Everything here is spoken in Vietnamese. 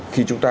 khi chúng ta